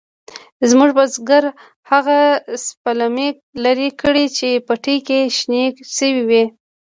زموږ بزگر هغه سپلمۍ لرې کړې چې پټي کې شنې شوې وې.